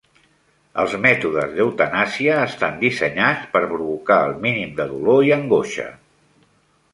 Els mètodes d'eutanàsia estan dissenyats per provocar el mínim de dolor i angoixa.